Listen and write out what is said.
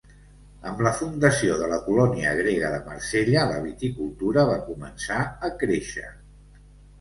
Amb la fundació de la colònia grega de Marsella, la viticultura va començar a créixer.